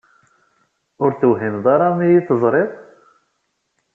Ur tewhimeḍ ara mi yi-teẓriḍ?